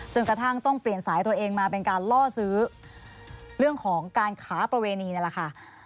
จนกระทั่งต้องเปลี่ยนสายตัวเองมาเป็นการล่อซื้อเรื่องของการค้าประเวณีนั่นแหละค่ะ